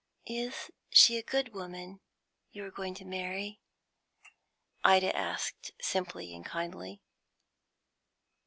"Is she a good woman you are going to marry?" Ida asked simply and kindly.